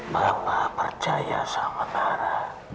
papa percaya sama nara